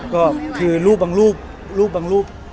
ก็คือรูปบางรูป